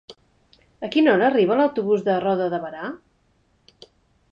A quina hora arriba l'autobús de Roda de Berà?